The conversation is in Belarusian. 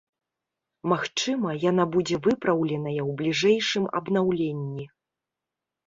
Магчыма, яна будзе выпраўленая ў бліжэйшым абнаўленні.